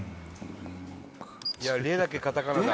いや「レ」だけカタカナだ。